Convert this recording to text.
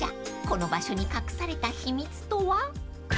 ［この場所に隠された秘密とは？］